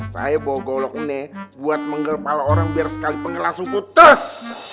saya bawa golok ini buat menggelap orang biar sekali pengelah sungguh ters